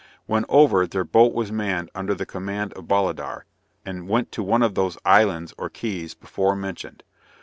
When over, their boat was manned under the commond of Bolidar, and went to one of those Islands or Keys before mentioned.